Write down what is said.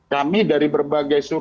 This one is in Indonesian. kami dari berbagai